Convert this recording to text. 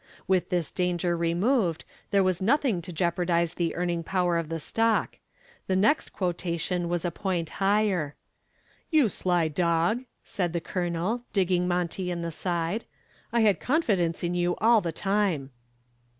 With this danger removed there was nothing to jeopardize the earning power of the stock. The next quotation was a point higher. "You sly dog," said the Colonel, digging Monty in the side. "I had confidence in you all the time."